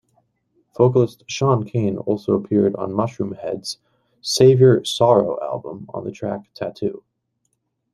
Vocalist Sean Kane also appeared on Mushroomhead's "Savior Sorrow" album, on the track "Tattoo".